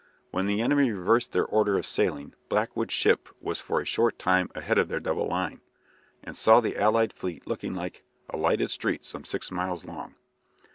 When the enemy reversed their order of sailing, Blackwood's ship was for a short time ahead of their double line, and saw the allied fleet looking like "a lighted street some six miles long."